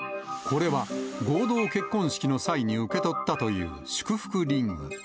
これは、合同結婚式の際に受け取ったという祝福リング。